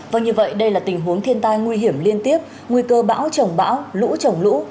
vâng như vậy đây là tình huống thiên tai nguy hiểm liên tiếp nguy cơ bão trồng bão lũ trồng lũ